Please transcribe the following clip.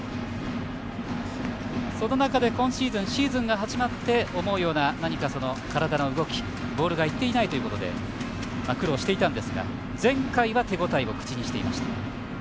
その中で、今シーズンシーズンが始まって、思うような体の動き、ボールがいっていないということで苦労していたんですが前回は手応えを口にしていました。